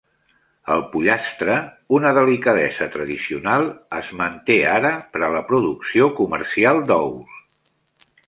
El pollastre, una delicadesa tradicional, es manté ara per a la producció comercial d'ous.